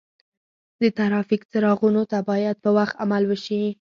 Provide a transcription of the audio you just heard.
د ترافیک څراغونو ته باید په وخت عمل وشي.